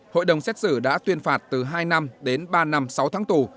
hội đồng xét xử đã tuyên phạt từ hai năm đến ba năm sáu tháng tù